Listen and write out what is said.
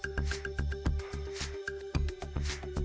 insight besok bersama saya disi anwar